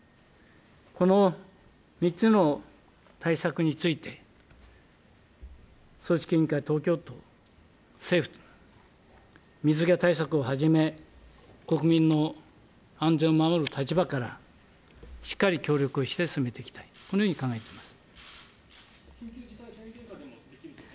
この３つの対策について、組織委員会、東京都、政府と、水際対策をはじめ、国民の安全を守る立場からしっかり協力して進めていきたい、このように考えています。